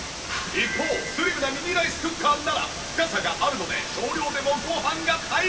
一方スリムなミニライスクッカーなら深さがあるので少量でもご飯が対流！